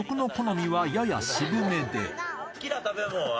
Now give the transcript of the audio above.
好きな食べ物は？